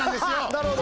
なるほど。